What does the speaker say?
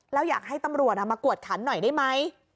แล้วอยากให้ตำรวจมากวดขันหน่อยได้ไหม